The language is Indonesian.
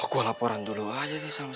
oh gua laporan dulu aja sih sama siapa